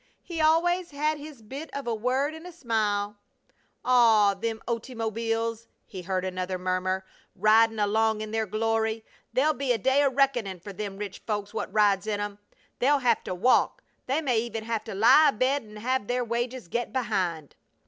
"He always had his bit of a word an' a smile!" "Aw! Them ottymobbeels!" he heard another murmur. "Ridin' along in their glory! They'll be a day o' reckonin' fer them rich folks what rides in 'em! They'll hev to walk! They may even have to lie abed an' hev their wages get behind!"